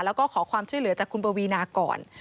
แล้วก็ขอความช่วยเหลือจากคุณปวีนาก่อน